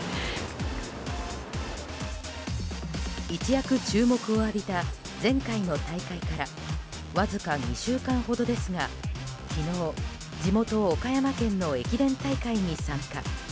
一躍、注目を浴びた前回の大会からわずか２週間ほどですが昨日、地元・岡山県の駅伝大会に参加。